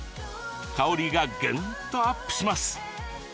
香りがぐんとアップします。